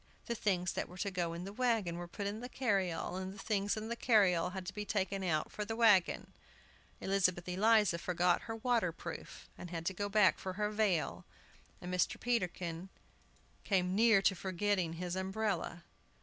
The things that were to go in the wagon were put in the carryall, and the things in the carryall had to be taken out for the wagon! Elizabeth Eliza forgot her water proof, and had to go back for her veil, and Mr. Peterkin came near forgetting his umbrella. Mrs.